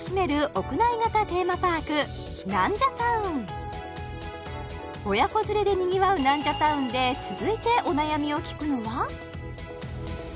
屋内型テーマパークナンジャタウン親子連れでにぎわうナンジャタウンで続いてお悩みを聞くのは？